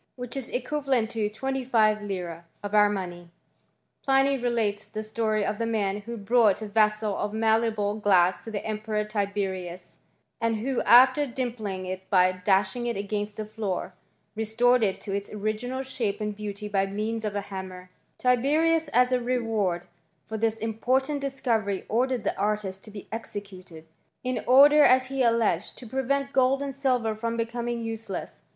which is equivalent to 25Z. of our money. Pliny relates the story of the man who brought ft vessel of malleable glass to the Emperor Tiberius, and who, after dimpling it by dashing it against the floor, restored it to its original shape and beauty by means of a hammer ; Tiberius, as a reward for this important discovery, ordered the artist to be executed, in order, as he alleged, to prevent gold and silver from becom * ing useless.